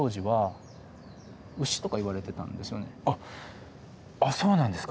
あっあっそうなんですか。